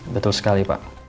betul sekali pak